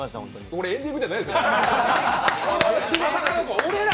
これ、エンディングじゃないですから。